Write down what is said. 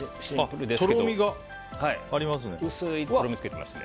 あ、とろみがありますね。